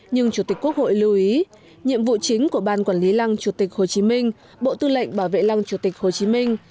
nhưng chủ tịch quốc hội lưu ý nhiệm vụ chính của ban quản lý lăng chủ tịch hồ chí minh bộ tư lệnh bảo vệ lăng chủ tịch hồ chí minh